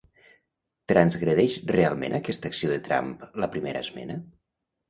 Transgredeix realment aquesta acció de Trump la primera esmena?